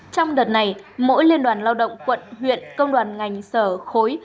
trong đợt này mỗi liên đoàn lao động quận huyện công đoàn ngành sở khối